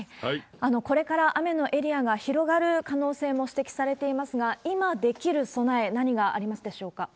これから雨のエリアが広がる可能性も指摘されていますが、今できる備え、何がありますでしょうか？